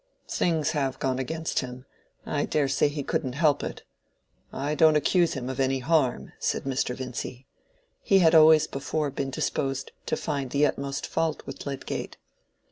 Things have gone against him. I dare say he couldn't help it. I don't accuse him of any harm," said Mr. Vincy. He had always before been disposed to find the utmost fault with Lydgate.